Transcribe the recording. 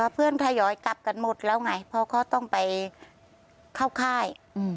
ทยอยกลับกันหมดแล้วไงเพราะเขาต้องไปเข้าค่าย